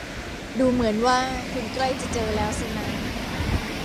ดูเหมือนว่าคุณใกล้จะเจอแล้วสินะ